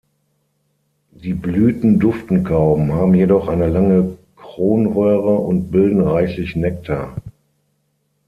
Die Blüten duften kaum, haben jedoch eine lange Kronröhre und bilden reichlich Nektar.